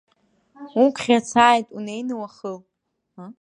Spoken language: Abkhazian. Уқәӷьацааит, унеины уахыл!